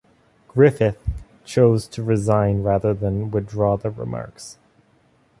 Griffith chose to resign rather than withdraw the remarks.